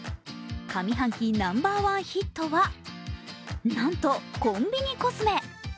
上半期ナンバーワンヒットはなんとコンビニコスメ。